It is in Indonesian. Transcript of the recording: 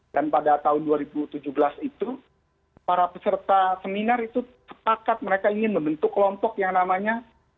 dan pada tahun dua ribu tujuh belas itu para peserta seminar itu sepakat mereka ingin membentuk kelompok yang namanya